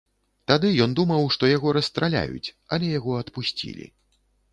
Тады ён думаў, што яго расстраляюць, але яго адпусцілі.